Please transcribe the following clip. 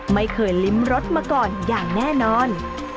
ไม่เคยลิ้มรสมาก่อนอย่างแน่นอน